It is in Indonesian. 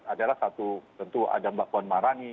adalah satu tentu ada mbak puan marani